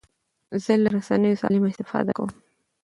زه له رسنیو سالمه استفاده کوم.